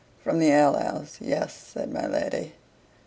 "From the ale house yes," said my lady.